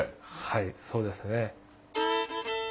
はいそうですね。